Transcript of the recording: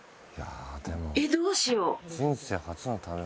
えっどうしよう。